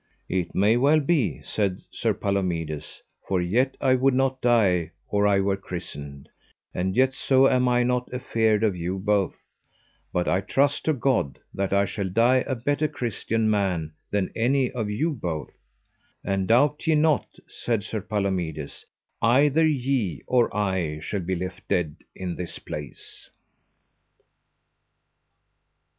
It may well be, said Sir Palomides, for yet I would not die or I were christened; and yet so am I not afeard of you both, but I trust to God that I shall die a better christian man than any of you both; and doubt ye not, said Sir Palomides, either ye or I shall be left dead in this place.